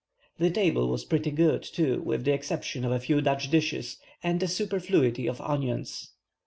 The table was pretty good, too, with the exception of a few Dutch dishes, and a superfluity of onions.